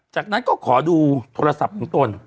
จากนั้นก็ขอดูโทรศัพท์ของตน